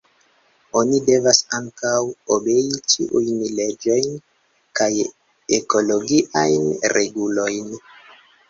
Oni devas ankaŭ obei ĉiujn leĝojn kaj ekologiajn regulojn.